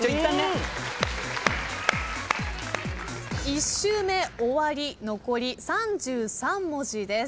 １周目終わり残り３３文字です。